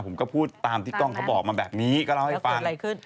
ผมก็พูดตามที่กล้องเขาบอกมาแบบนี้ก็เล่าให้ฟัง